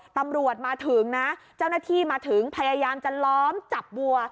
ตำรวจมาถึงนะเจ้าหน้าที่มาถึงพยายามจะล้อมจับวัว